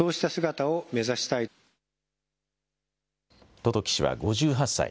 十時氏は５８歳。